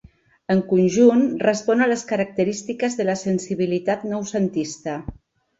En conjunt respon a les característiques de la sensibilitat noucentista.